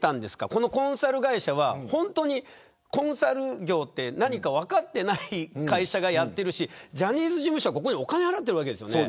このコンサル会社は本当にコンサル業って何かを分かってない会社がやっているしジャニーズ事務所はここにお金を払っているわけですよね。